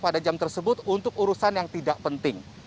pada jam tersebut untuk urusan yang tidak penting